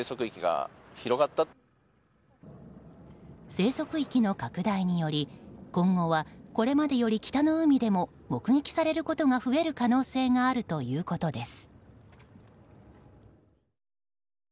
生息域の拡大により、今後はこれまでより北の海でも目撃されることが増える可能性があるということです。